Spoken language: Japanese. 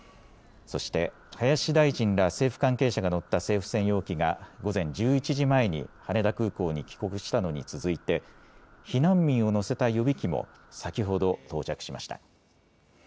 そして林大臣ら政府関係者が乗った政府専用機が午前１１時前に羽田空港に帰国したのに続いて、避難民を乗せた予備機も先ほど到着しました。